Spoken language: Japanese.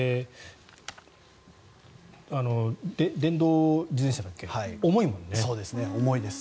電動自転車だっけそうですね。